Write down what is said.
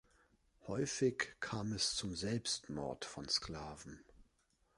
Häufig kam es zum Selbstmord von Sklaven.